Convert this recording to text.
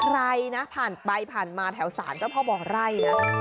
ใครนะผ่านไปผ่านมาแถวสารเจ้าพ่อบ่อไร่นะ